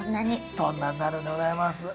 そんなになるんでございます。